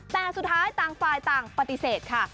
แต่สุดท้ายต่างฝ่ายต่างปฏิเสธค่ะ